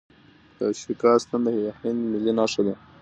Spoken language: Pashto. د اشوکا ستن د هند ملي نښه ده.